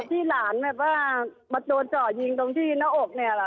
ที่หลานแบบว่ามาโดนเจาะยิงตรงที่หน้าอกเนี่ยเหรอ